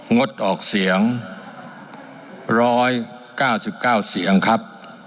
งดออกเสียง๑๙๙เสียงครับ